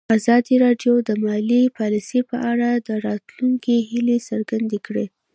ازادي راډیو د مالي پالیسي په اړه د راتلونکي هیلې څرګندې کړې.